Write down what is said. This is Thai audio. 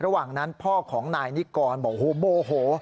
ระหว่างนั้นพ่อของนายนิกรบอกโอ้โหโมโห